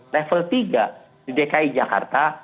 level tiga di dki jakarta